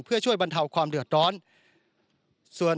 เพื่อช่วยบรรเทาความเดือดร้อน